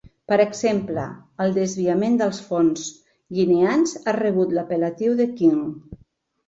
Per exemple, el desviament dels fons guineans ha rebut l’apel·latiu de “King”.